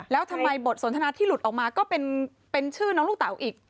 แล้วทำไมบทสนทนาที่หลุดออกมาก็เป็นชื่อน้องลูกเต๋าอีก